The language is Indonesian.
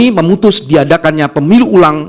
dan memutus diadakannya pemilu ulang